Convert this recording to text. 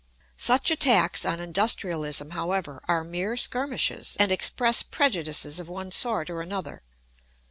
Such attacks on industrialism, however, are mere skirmishes and express prejudices of one sort or another.